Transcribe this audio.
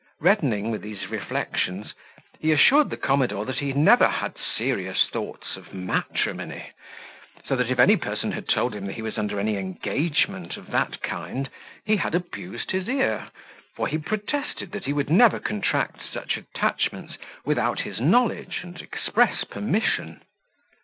Reddening with these reflections, he assured the commodore that he never had serious thoughts of matrimony; so that if any person had told him he was under any engagement of that kind, he had abused his ear; for he protested that he would never contract such attachments without his knowledge and express permission.